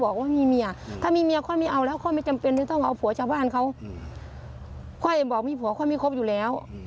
ค่อยไม่ครบอยู่แล้ว